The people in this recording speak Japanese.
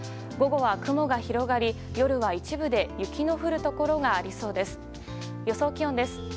午後は雲が広がり夜は一部で雪の降るところがありそうです。